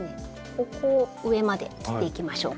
ここを上まで切っていきましょうか。